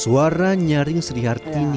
suara nyaring serih arti ini